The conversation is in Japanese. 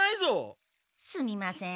すみません。